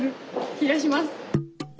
気がします。